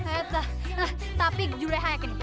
eh tapi julai hayakin